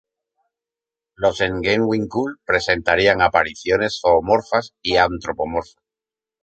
Los Ngen-winkul, presentarían apariciones zoomorfas o antropomorfas.